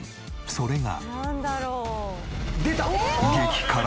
それが。